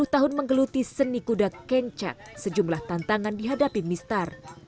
sepuluh tahun menggeluti seni kuda kencak sejumlah tantangan dihadapi mister